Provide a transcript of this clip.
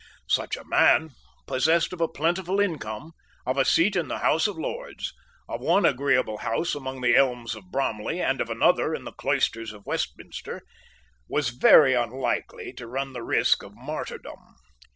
Such a man, possessed of a plentiful income, of a seat in the House of Lords, of one agreeable house among the elms of Bromley, and of another in the cloisters of Westminster, was very unlikely to run the risk of martyrdom.